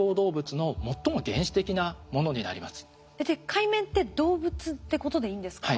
カイメンって動物ってことでいいんですか？